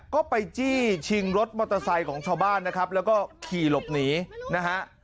ก็ไปจี้ชิงรถมอเตอร์ไซค์ของชาวบ้านนะครับแล้วก็ขี่หลบหนีนะฮะ